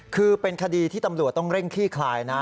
คือเป็นคดีที่ตำรวจต้องเร่งขี้คลายนะ